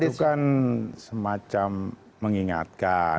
itu kan semacam mengingatkan